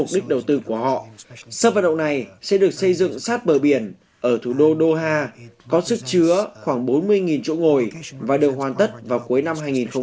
điều này sẽ được xây dựng sát bờ biển ở thủ đô doha có sức chứa khoảng bốn mươi chỗ ngồi và được hoàn tất vào cuối năm hai nghìn hai mươi